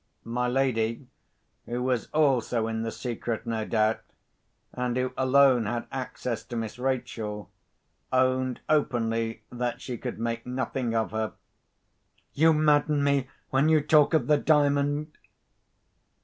My lady, who was also in the secret no doubt, and who alone had access to Miss Rachel, owned openly that she could make nothing of her. "You madden me when you talk of the Diamond!"